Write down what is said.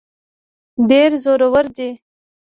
ډېر زورور دی.